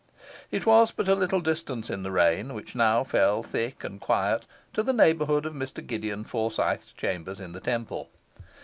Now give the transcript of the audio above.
It was but a little distance in the rain, which now fell thick and quiet, to the neighbourhood of Mr Gideon Forsyth's chambers in the Temple.